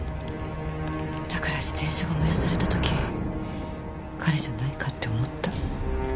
だから自転車が燃やされた時彼じゃないかって思った。